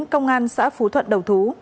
công an xã phú thuận đầu thú